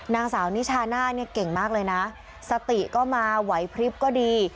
นางสาวนิชาน่าเนี่ยเก่งมากเลยนะสติก็มาไหวพริบก็ดี